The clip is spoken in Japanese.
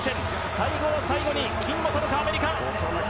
最後の最後に金をとるかアメリカ。